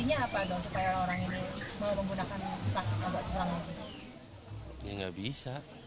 menggunakan plastik untuk pelanggan itu